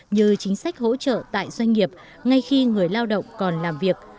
như chính sách hỗ trợ tại doanh nghiệp ngay khi người lao động còn làm việc